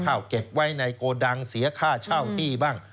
เก็บไว้ในโกดังเสียค่าเช่าที่บ้าง